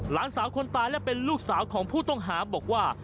หลานสาวคนตายและเป็นลูกสาวของผู้ต้องหาบอกว่า